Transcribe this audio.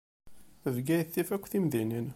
Bgayet tif akk timdinin.